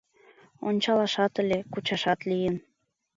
Ончалашат ыле, кучашат лийын.